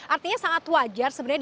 artinya sangat wajar sebenarnya